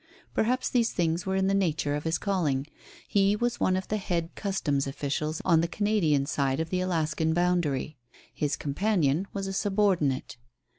Perhaps these things were in the nature of his calling. He was one of the head Customs officials on the Canadian side of the Alaskan boundary. His companion was a subordinate.